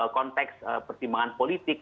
konteks pertimbangan politik